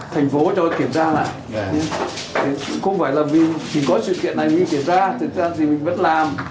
thành phố cho kiểm tra lại không phải là vì mình có sự kiện này mình kiểm tra thực ra thì mình vẫn làm